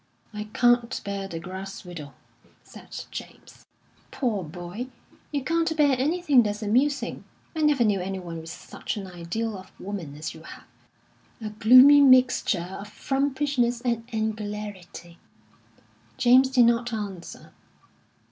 "I can't bear the grass widow," said James. "Poor boy, you can't bear anything that's amusing! I never knew anyone with such an ideal of woman as you have a gloomy mixture of frumpishness and angularity." James did not answer.